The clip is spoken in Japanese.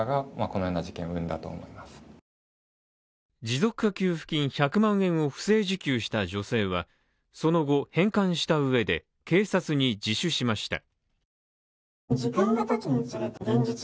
持続化給付金１００万円を不正受給した女性はその後、返還したうえで、警察に自首しました。